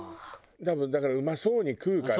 多分だからうまそうに食うから。